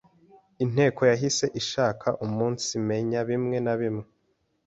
Inteko yahise ishaka umunsimenya bimwe na bimwe